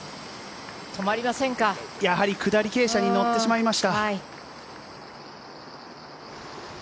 やはり下り傾斜に乗ってしまいました。